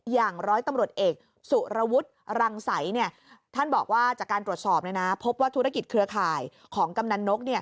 อย่างร้อยตำรวจเอกสุรวุฒิรังสัยท่านบอกว่าจากการตรวจสอบพบว่าธุรกิจเครือข่ายของกำนันนก